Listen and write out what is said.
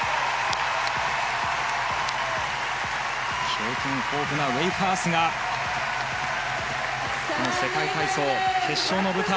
経験豊富なウェイファースがこの世界体操決勝の舞台